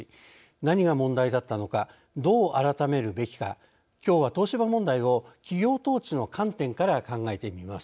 何が問題だったのかどう改めるべきかきょうは東芝問題を企業統治の観点から考えてみます。